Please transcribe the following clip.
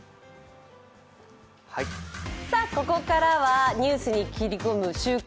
ここからはニュースに切り込む「週刊！